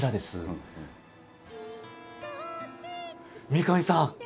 三上さん